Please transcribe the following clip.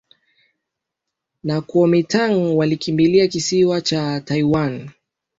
Na Kuomintang walikimbilia kisiwa cha Taiwan